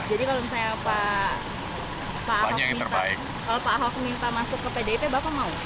jadi kalau misalnya pak ahok minta masuk ke pdip bapak mau